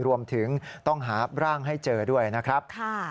รวมถึงต้องหาร่างให้เจอด้วยนะครับ